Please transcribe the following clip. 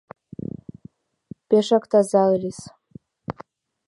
Пешак таза ыльыс.